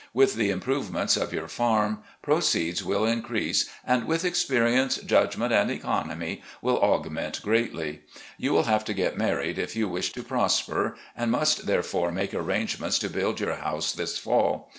With the im provement of your farm, proceeds will increase, and, with experience, judgment, and economy, will augment greatly. You will have to get married if you wish to prosper, and must therefore make arrangements to build your house this fall.